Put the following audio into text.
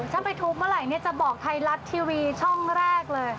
ถ้าไปทุบเมื่อไหร่จะบอกไทยรัฐทีวีช่องแรกเลย